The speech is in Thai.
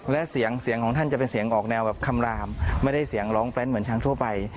และเสียงเสียงของท่านจะเป็นเสียงออกแนวแบบคำลามไม่ได้เสียงร้องแร้นเหมือนช้างทั่วไป